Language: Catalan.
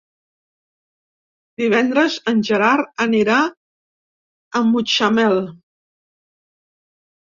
Divendres en Gerard anirà a Mutxamel.